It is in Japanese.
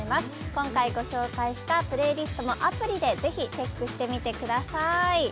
今回ご紹介したプレイリストもアプリでぜひチェックしてみてください。